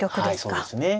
はいそうですね。